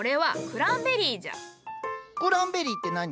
クランベリーって何？